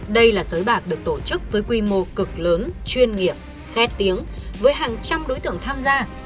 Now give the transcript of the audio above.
đây là sới bạc được tổ chức với quy mô cực lớn chuyên nghiệp khét tiếng với hàng trăm đối tượng tham gia